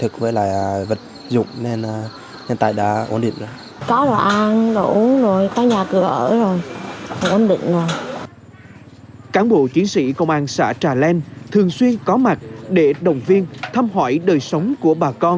cán bộ chiến sĩ công an xã trà len thường xuyên có mặt để động viên thăm hỏi đời sống của bà con